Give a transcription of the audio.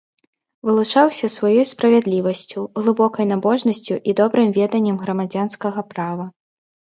Вылучаўся сваёй справядлівасцю, глыбокай набожнасцю і добрым веданнем грамадзянскага права.